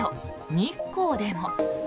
日光でも。